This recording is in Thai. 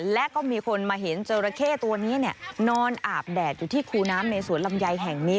และก็มีคนมาเห็นจราเข้ตัวนี้นอนอาบแดดอยู่ที่คูน้ำในสวนลำไยแห่งนี้